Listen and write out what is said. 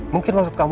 mungkin maksud kamu